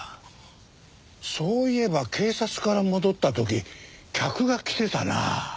そういえば警察から戻った時客が来てたな。